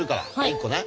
１個ね。